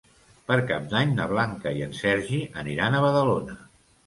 Per Cap d'Any na Blanca i en Sergi aniran a Badalona.